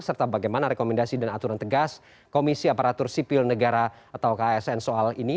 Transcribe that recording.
serta bagaimana rekomendasi dan aturan tegas komisi aparatur sipil negara atau ksn soal ini